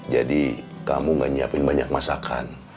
jadi kamu gak nyiapin banyak masakan